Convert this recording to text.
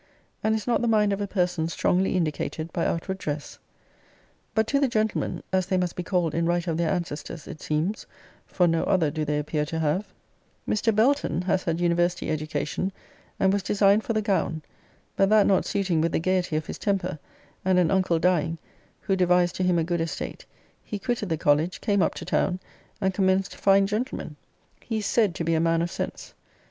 And is not the mind of a person strongly indicated by outward dress? But to the gentlemen as they must be called in right of their ancestors, it seems; for no other do they appear to have: Mr. BELTON has had university education, and was designed for the gown; but that not suiting with the gaiety of his temper, and an uncle dying, who devised to him a good estate, he quitted the college, came up to town, and commenced fine gentleman. He is said to be a man of sense.